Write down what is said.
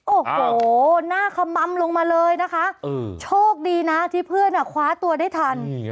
โอ้โหหน้าขมัมลงมาเลยนะคะโชคดีนะที่เพื่อนคว้าตัวได้ทัน